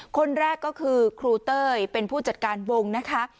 คนแรกก็คือครูเต้ยเป็นผู้จัดการวงนะคะ